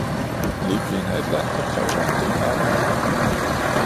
Libyen er et land, der kræver en del arbejde.